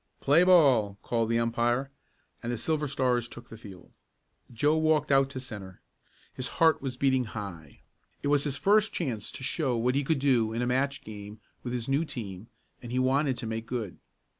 "Play ball!" called the umpire, and the Silver Stars took the field. Joe walked out to centre. His heart was beating high. It was his first chance to show what he could do in a match game with his new team and he wanted to make good.